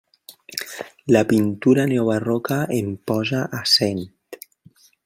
La pintura neobarroca em posa a cent.